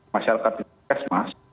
masyarakat di kes mas